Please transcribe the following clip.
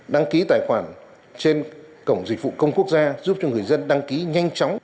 đăng ký tài khoản trên cổng dịch vụ công quốc gia giúp cho người dân đăng ký nhanh chóng